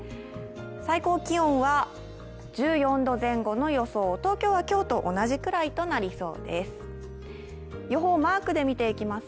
最高気温は１４度前後の予想、東京は今日と同じくらいになりそうです。